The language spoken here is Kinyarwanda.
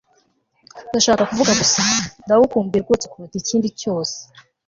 ndashaka kuvuga gusa, ndagukumbuye rwose kuruta ikindi kintu cyose